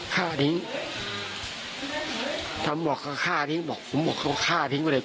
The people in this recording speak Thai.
ข้าทิ้งทำบอกก็ข้าทิ้งบอกผมบอกเอาข้าทิ้งไปเลย